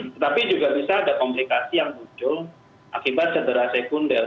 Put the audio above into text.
tetapi juga bisa ada komplikasi yang muncul akibat cedera sekunder